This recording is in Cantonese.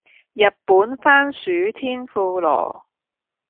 日本番薯天婦羅